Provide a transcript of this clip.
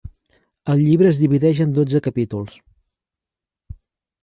El llibre es divideix en dotze capítols.